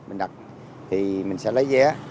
mình đặt thì mình sẽ lấy vé